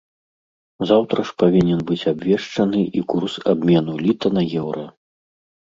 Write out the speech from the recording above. Заўтра ж павінен быць абвешчаны і курс абмену літа на еўра.